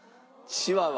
チワワ。